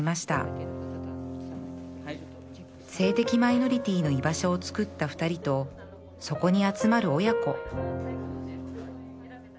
性的マイノリティーの居場所をつくった２人とそこに集まる親子